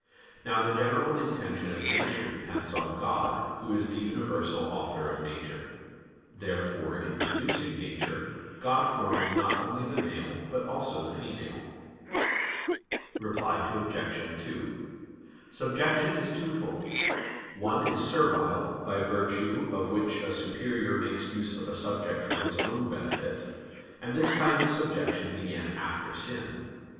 Now the general intention of nature depends on God, Who is the universal Author of nature. Therefore, in producing nature, God formed not only the male but also the female. Reply Obj. 2: Subjection is twofold. One is servile, by virtue of which a superior makes use of a subject for his own benefit; and this kind of subjection began after sin.